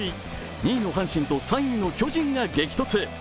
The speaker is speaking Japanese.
２位の阪神と３位の巨人が激突。